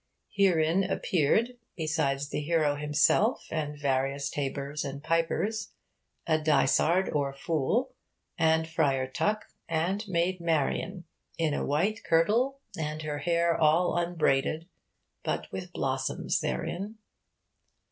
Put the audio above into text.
Herein appeared, besides the hero himself and various tabours and pipers, a 'dysard' or fool, and Friar Tuck, and Maid Marian 'in a white kyrtele and her hair all unbrayded, but with blossoms thereyn.'